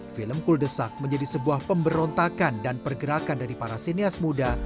film kuldesak menjadi sebuah pemberontakan dan pergerakan dari para sinias muda